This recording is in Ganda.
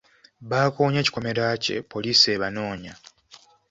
Baakoonye ekikomera kye poliisi ebanoonya.